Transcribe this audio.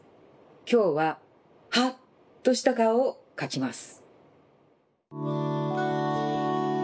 きょうははっとしたかおをかきます。